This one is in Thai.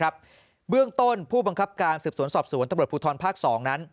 เบื้องต้นผู้บังคับการสืบสวนสอบสวนตำรวจภูทรภาค๒นั้น